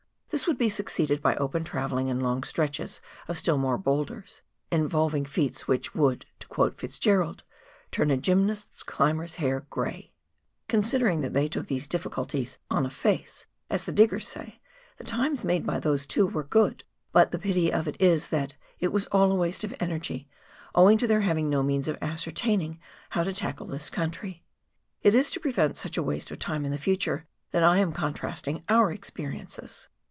This would be succeeded by open travelling and long stretches of still more boulders, involving feats which would, to quote Fitzgerald, " turn a gymnast climber's hair grey." Considering that they took these difficulties " on a face "— as the diggers say — the times made by these two are good ; but the pity of it is that it icas all a waste of energy, owing to their having no means of ascertaining how to tackle this country. It is to prevent such waste of time in the future that I am contrast ing our experiences.